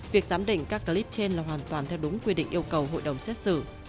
việc giám định các clip trên là hoàn toàn theo đúng quy định yêu cầu hội đồng xét xử